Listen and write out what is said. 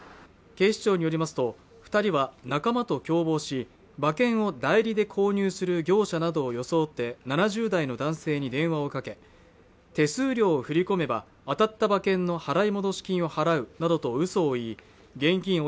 警視庁によりますと二人は仲間と共謀し馬券を代理で購入する業者などを装って７０代の男性に電話をかけ手数料を振り込めば当たった馬券の払い戻し金を払うなどと嘘を言い現金